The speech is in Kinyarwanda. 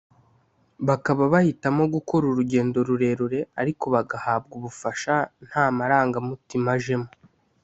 bakaba bahitamo gukora urugendo rurerure ariko bagahabwa ubufasha nta marangamutima ajemo